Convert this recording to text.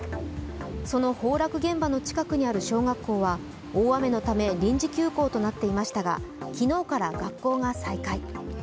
その崩落現場の近くにある小学校は大雨のため臨時休校となっていましたが昨日から学校が再開。